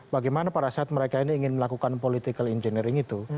bagaimana pada saat mereka ini ingin melakukan political engineering itu